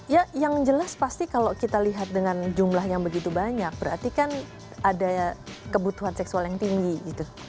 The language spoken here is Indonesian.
ya yang jelas pasti kalau kita lihat dengan jumlah yang begitu banyak berarti kan ada kebutuhan seksual yang tinggi gitu